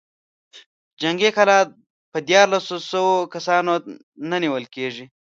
جنګي کلا په ديارلسو سوو کسانو نه نېول کېږي.